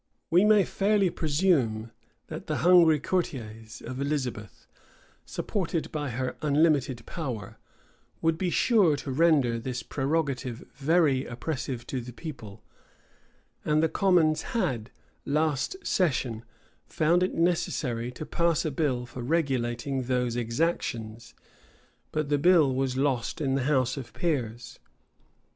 We may fairly presume, that the hungry courtiers of Elizabeth, supported by her unlimited power, would be sure to render this prerogative very oppressive to the people; and the commons had, last session, found it necessary to pass a bill for regulating these exactions: but the bill was lost in the house of peers.